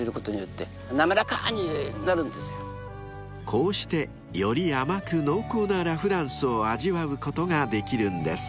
［こうしてより甘く濃厚なラ・フランスを味わうことができるんです］